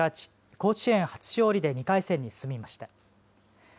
甲子園初勝利で２回戦に進みました。